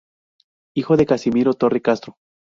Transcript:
Hijo de Casimiro Torre Castro.